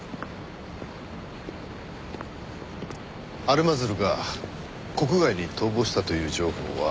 アルマズルが国外に逃亡したという情報は誰が？